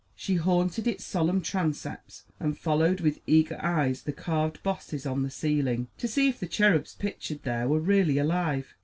She haunted its solemn transepts, and followed with eager eyes the carved bosses on the ceiling, to see if the cherubs pictured there were really alive.